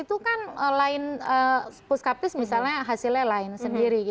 dua ribu empat belas itu kan puskaptis hasilnya lain sendiri